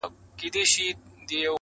• سیاه پوسي ده خاوند یې ورک دی.